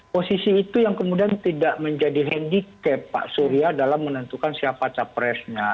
posisi itu yang kemudian tidak menjadi handicap pak surya dalam menentukan siapa capresnya